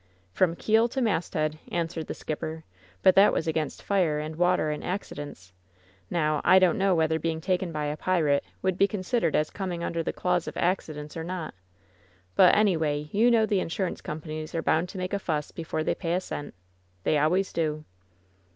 "From keel to masthead," answered the skipper. *^ut that was against fire and water and accidents. Now, I don't know whether being taken by a pirate would be considered as coming under the clause of accidents or not. But, anyway, you know the insurance companies are bound to make a fuss before they pay a cent. They always do."